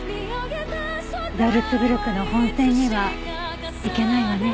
ザルツブルクの本選には行けないわね。